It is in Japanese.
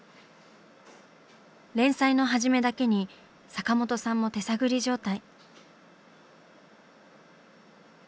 連載の初めだけに坂本さんも手探り状態。